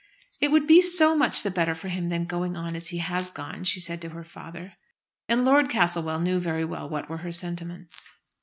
"It would be so much better for him than going on as he has gone," she said to her father. And Lord Castlewell knew very well what were her sentiments.